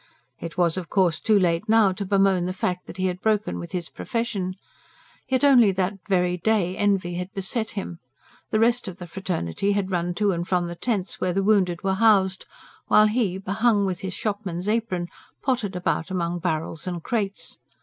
It was, of course, too late now to bemoan the fact that he had broken with his profession. Yet only that very day envy had beset him. The rest of the fraternity had run to and from the tents where the wounded were housed, while he, behung with his shopman's apron, pottered about among barrels and crates.